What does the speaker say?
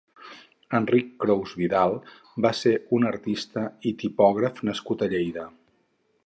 Enric Crous-Vidal va ser un artista i tipògraf nascut a Lleida.